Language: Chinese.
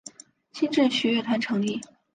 新秩序乐团成立。